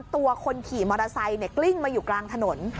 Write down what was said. คนขี่มอเตอร์ไซค์กลิ้งมาอยู่กลางถนน